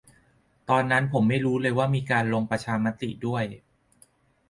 ตอนนั้นผมไม่รู้เลยว่ามีการลงประชามติด้วย